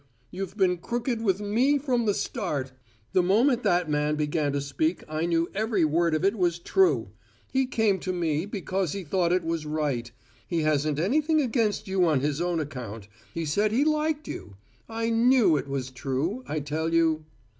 You've been crooked with me from the start. The moment that man began to speak, I knew every word of it was true. He came to me because he thought it was right: he hasn't anything against you on his own account; he said he liked you! I knew it was true, I tell you."